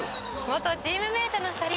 「元チームメートの２人」